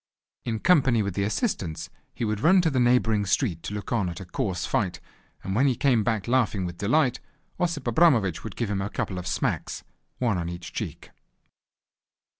In company with the assistants he would run to the neighbouring street to look on at a coarse fight, and when he came back laughing with delight, Osip Abramovich would give him a couple of smacks, one on each cheek.